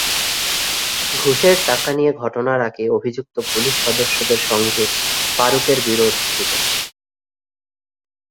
ঘুষের টাকা নিয়ে ঘটনার আগে অভিযুক্ত পুলিশ সদস্যদের সঙ্গে ফারুকের বিরোধ ছিল।